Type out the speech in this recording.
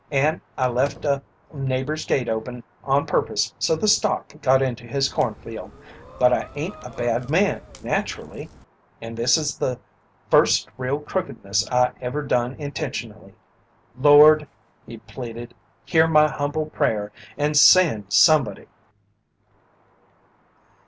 And I left a neighbour's gate open on purpose so the stock got into his cornfield, but I ain't a bad man naturally, and this is the first real crookedness I ever done intentionally. Lord," he pleaded, "hear my humble prayer and send somebody!"